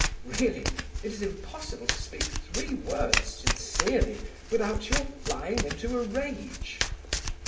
Really, it is impossible to speak three words sincerely without your flying into a rage!